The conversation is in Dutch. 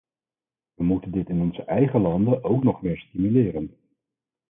We moeten dit in onze eigen landen ook nog meer stimuleren.